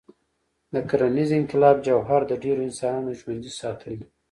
د کرنيز انقلاب جوهر د ډېرو انسانانو ژوندي ساتل دي.